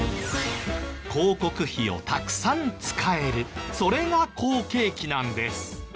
広告費をたくさん使えるそれが好景気なんです。